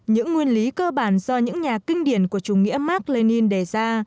những nguyên lý cơ bản do những nhà kinh điển của chủ nghĩa mark lenin đề ra